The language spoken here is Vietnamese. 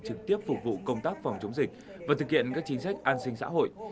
trực tiếp phục vụ công tác phòng chống dịch và thực hiện các chính sách an sinh xã hội